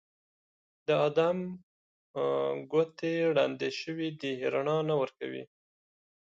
د ادم ګوتې ړندې شوي دي روڼا نه کوي